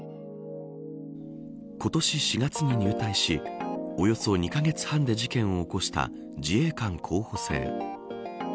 今年４月に入隊しおよそ２カ月半で事件を起こした自衛官候補生。